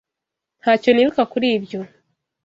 Ntacyo nibuka kuri ibyo.